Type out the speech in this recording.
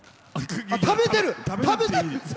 食べてる！